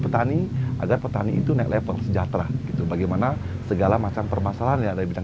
petani agar petani itu naik level sejahtera bagaimana segala macam permasalahan yang ada di bidang